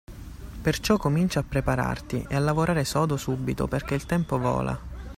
Perciò comincia a prepararti e a lavorare sodo subito perché il tempo vola.